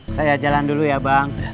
saya jalan dulu ya bang